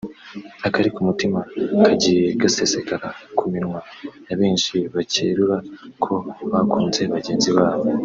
akari ku mutima kagiye gasesekara ku minwa ya benshi bakerura ko bakunze bagenzi babo